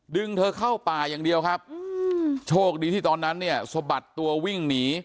เธอเข้าป่าอย่างเดียวครับโชคดีที่ตอนนั้นเนี่ยสะบัดตัววิ่งหนี